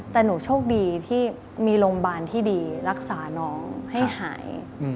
แต่หนูโชคดีที่มีโรงพยาบาลที่ดีรักษาน้องให้หาย